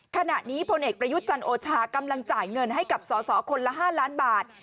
ขณะนี้พลเอกประยุทธ์จันโอชากำลังจ่ายเงินให้กับสสคนละ๕ล้านบาท